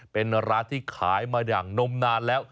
เป็นร้านที่ขายมาอย่างนมนานแล้ว